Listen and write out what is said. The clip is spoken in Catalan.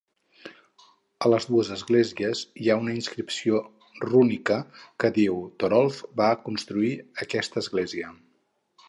A les dues esglésies hi ha una inscripció rúnica que diu: "Torolf va construir aquesta església".